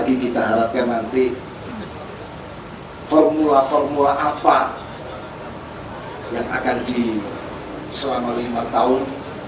ini kita harapkan nanti formula formula apa yang akan di selama lima tahun